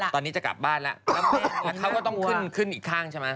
ตอนนี้จะกลับบ้านแล้วแล้วเขาก็ต้องขึ้นขึ้นอีกข้างใช่ไหม